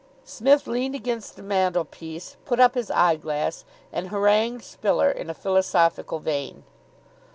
Psmith leaned against the mantelpiece, put up his eyeglass, and harangued Spiller in a philosophical vein.